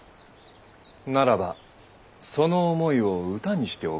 ならばその思いを歌にして贈るのだ。